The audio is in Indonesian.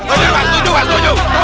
oh iya pak setuju setuju